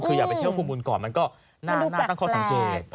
คืออยากไปเที่ยวฟูมูลก่อนมันก็น่าตั้งข้อสังเกต